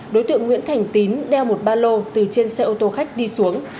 đối tượng nguyễn thành tín đeo một ba lô từ trên xe ô tô khách đi xuống